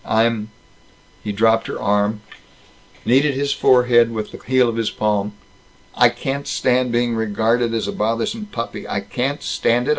I'm " He dropped her arm, kneaded his forehead with the heel of his palm. "I can't stand being regarded as a bothersome puppy. I can't stand it!